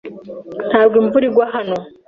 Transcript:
Ntabwo imvura igwa hano.